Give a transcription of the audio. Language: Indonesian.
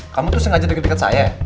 kamu tuh sengaja deket deket saya